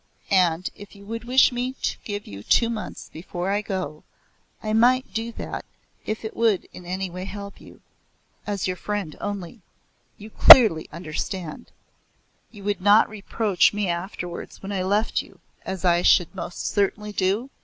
And if you would wish me to give you two months before I go, I might do that if it would in any way help you. As your friend only you clearly understand. You would not reproach me afterwards when I left you, as I should most certainly do?"